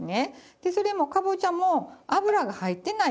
でそれもかぼちゃも油が入ってない